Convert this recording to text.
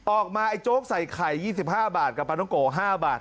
ไอ้โจ๊กใส่ไข่๒๕บาทกับปลาท้องโก๕บาท